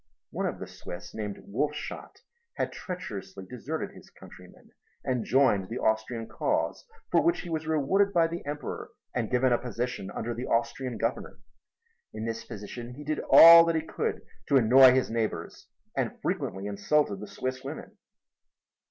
One of the Swiss named Wolfshot had treacherously deserted his countrymen and joined the Austrian cause, for which he was rewarded by the Emperor and given a position under the Austrian Governor. In this position he did all that he could to annoy his neighbors and frequently insulted the Swiss women.